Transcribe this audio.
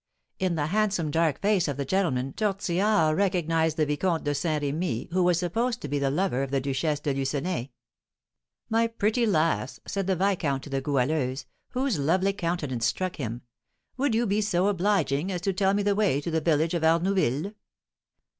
In the handsome dark face of the gentleman Tortillard recognised the Vicomte de Saint Rémy, who was supposed to be the lover of the Duchesse de Lucenay. "My pretty lass," said the viscount to the Goualeuse, whose lovely countenance struck him, "would you be so obliging as to tell me the way to the village of Arnouville?"